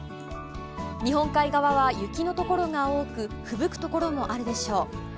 日本海側は雪のところが多くふぶくところもあるでしょう。